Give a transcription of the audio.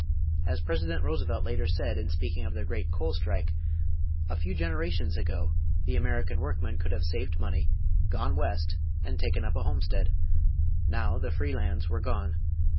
As President Roosevelt later said in speaking of the great coal strike, "a few generations ago, the American workman could have saved money, gone West, and taken up a homestead. Now the free lands were gone.